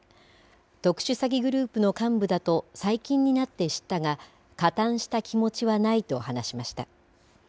特殊詐欺グループの幹部だと最近になって知ったが加担した気持ちはないと話しました。